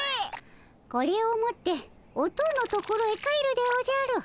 これを持っておとおのところへ帰るでおじゃる。